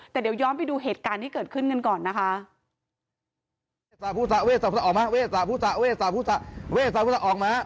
แต่เดี๋ยวย้อนไปดูเหตุการณ์ที่เกิดขึ้นกันก่อนนะคะ